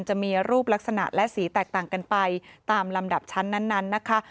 จะมีรูปลักษณะและสีแตกต่างกันไปตามลำดับชั้นนั้นนะคะ